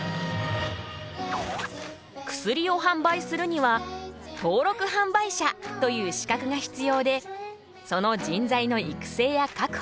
薬を販売するには登録販売者という資格が必要でその人材の育成や確保